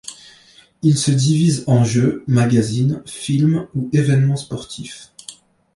Il se divise en jeux, magazines, films ou événements sportifs.